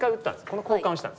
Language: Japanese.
この交換をしたんです。